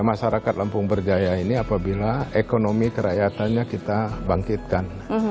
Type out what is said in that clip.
masyarakat lampung berjaya ini apabila ekonomi kerakyatannya kita bangkitkan